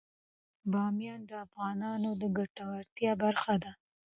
بامیان د افغانانو د ګټورتیا برخه ده.